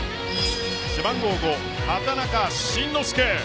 背番号５・畠中慎之輔